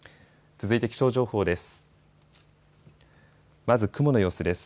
続いて気象情報です。